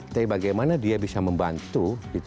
tapi bagaimana dia bisa membantu